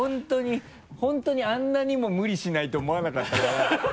本当にあんなにも無理しないと思わなかったから